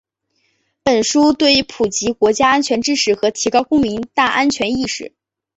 本书对于普及国家安全教育和提高公民“大安全”意识